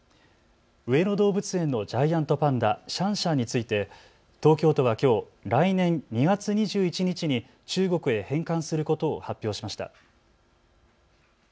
上野動物園のジャイアントパンダ、シャンシャンについて東京都はきょう来年２月２１日に中国へ返還することを発表しました。